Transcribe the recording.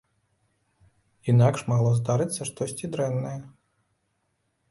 Інакш магло здарыцца штосьці дрэннае.